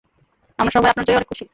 আমরা সবাই আপনার জয়ে অনেক খুশি।